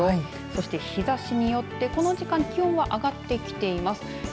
そして日ざしによってこの時間気温は上がってきています。